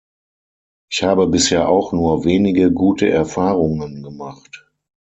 Ich habe bisher auch nur wenige gute Erfahrungen gemacht.